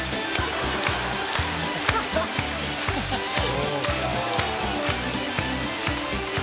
そうか。